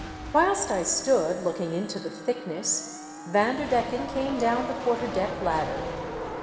Whilst I stood looking into the thickness, Vanderdecken came down the quarter deck ladder.